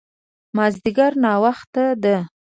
مازديګر ناوخته ده